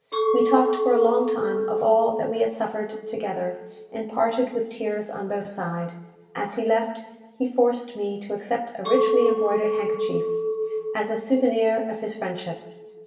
We talked for a long time of all that we had suffered together, and parted with tears on both side. As he left, he forced me to accept a richly embroidered handkerchief, as a souvenir of his friendship.